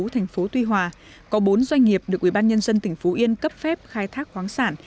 thành phố tuy hòa có bốn doanh nghiệp được ubnd tỉnh phú yên cấp phép khai thác khoáng sản